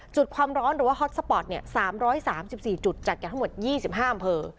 จุดความร้อนหรือว่าฮอตสปอร์ต๓๓๔จุดจัดกันทั้งหมด๒๕อำเภอ